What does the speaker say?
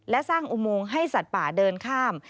และสร้างอุโมงให้สัตว์ป่าเดินข้าม